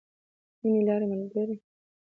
د نيمې لارې ملګری.